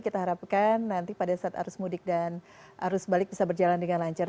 kita harapkan nanti pada saat arus mudik dan arus balik bisa berjalan dengan lancar